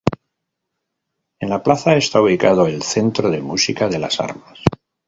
En la plaza está ubicado el Centro de Música de Las Armas.